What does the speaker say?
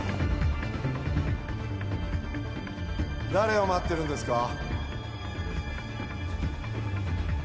誰を待ってるんですか？